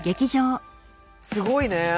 すごいね。